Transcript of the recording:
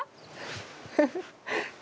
フフ！